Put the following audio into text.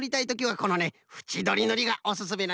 ふちどりぬりがおすすめなんじゃよね。